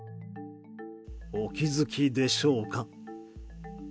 お気づきでしょうか。